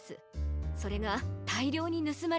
それがたいりょうにぬすまれたらしいの。